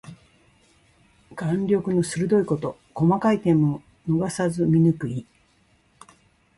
眼力の鋭いこと。細かい点も逃さず見抜く意。